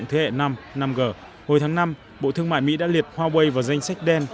hồi tháng năm bộ thương mại mỹ đã liệt huawei vào danh sách đen